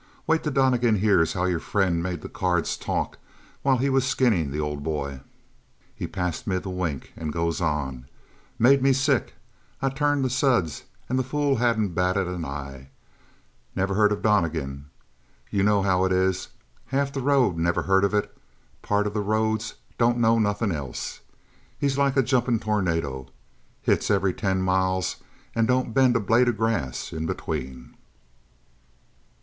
Wait till Donnegan hears how your friend made the cards talk while he was skinning the old boy! "He passes me the wink and goes on. Made me sick. I turned to Suds, and the fool hadn't batted an eye. Never even heard of Donnegan. You know how it is? Half the road never heard of it; part of the roads don't know nothin' else. He's like a jumpin tornado; hits every ten miles and don't bend a blade of grass in between.